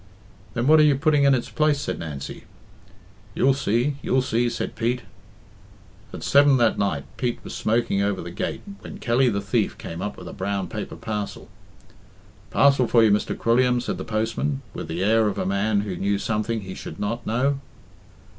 "Then what are you putting in its place?" said Nancy. "You'll see, you'll see," said Pete. At seven that night Pete was smoking over the gate when Kelly the Thief came up with a brown paper parcel. "Parcel for you, Mr. Quilliam," said the postman, with the air of a man who knew something he should not know.